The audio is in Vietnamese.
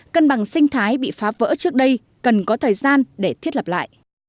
cân bằng sinh thái bị phá vỡ trước đây cần có thời gian để thiết lập lại